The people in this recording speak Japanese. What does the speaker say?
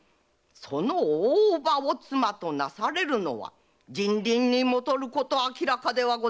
その大叔母を妻となされるのは人倫にもとること明らかではございませぬか。